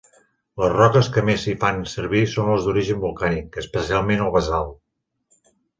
Les roques que més s'hi fan servir són les d'origen volcànic, especialment el basalt.